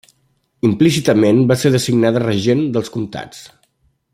Implícitament va ser designada regent dels comtats.